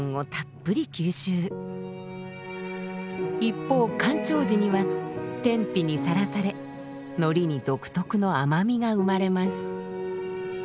一方干潮時には天日にさらされのりに独特の甘みが生まれます。